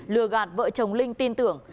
lừa gạt vợ chồng linh tin tưởng